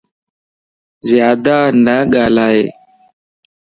زيادا نه ڳالھائي